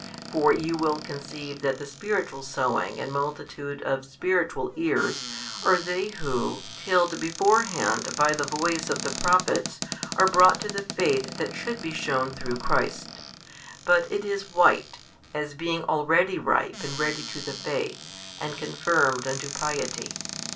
For you will conceive that the spiritual sowing and multitude of spiritual ears, are they who, tilled beforehand by the voice of the Prophets, are brought to the faith that should be shewn through Christ. But it is white, as being already ripe and ready to the faith, and confirmed unto piety.